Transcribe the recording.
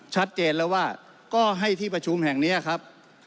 ชัดเจนแล้วว่าก็ให้ที่ประชุมแห่งนี้ครับ